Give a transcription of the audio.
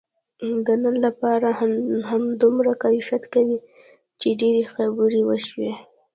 د نن لپاره همدومره کفایت کوي، چې ډېرې خبرې وشوې.